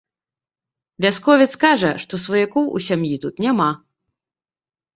Вясковец кажа, што сваякоў у сям'і тут няма.